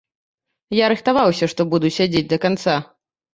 Я рыхтаваўся, што буду сядзець да канца.